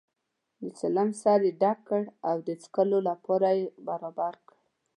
د چلم سر یې ډک کړ او د څکلو لپاره یې برابر کړ.